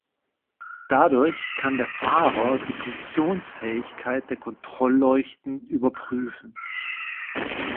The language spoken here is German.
Dadurch kann der Fahrer die Funktionsfähigkeit der Kontrollleuchten überprüfen.